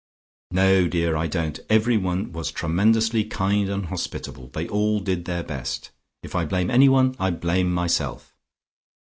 "No, dear, I don't. Everyone was tremendously kind and hospitable; they all did their best. If I blame anyone, I blame myself.